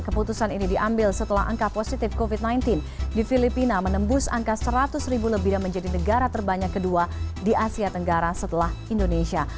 keputusan ini diambil setelah angka positif covid sembilan belas di filipina menembus angka seratus ribu lebih dan menjadi negara terbanyak kedua di asia tenggara setelah indonesia